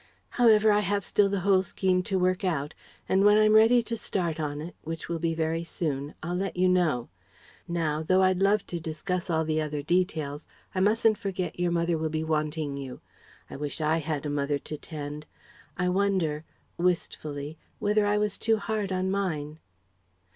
"However, I have still the whole scheme to work out and when I'm ready to start on it which will be very soon I'll let you know. Now, though I'd love to discuss all the other details, I mustn't forget your mother will be wanting you I wish I had a mother to tend I wonder" (wistfully) "whether I was too hard on mine?